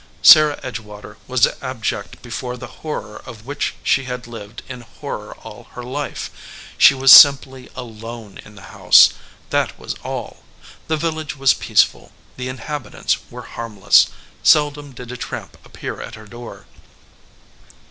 Sarah Edge water was abject before the horror of which she had lived in horror all her life. She was simply alone in the house. That was all. The village was peaceful. The inhabitants were harm less. Seldom did a tramp appear at a door.